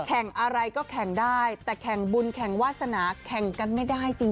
แข่งอะไรก็แข่งได้แต่แข่งบุญแข่งวาสนาแข่งกันไม่ได้จริง